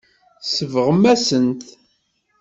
Tsebɣem-asen-t.